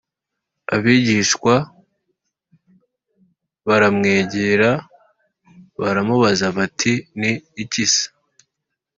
Abigishwa baramwegera baramubaza bati Ni ikise